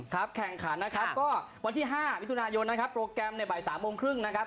แข่งขันนะครับก็วันที่๕มิถุนายนนะครับโปรแกรมในบ่ายสามโมงครึ่งนะครับ